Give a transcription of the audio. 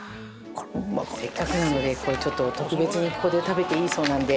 せっかくなのでここでちょっと特別にここで食べていいそうなので。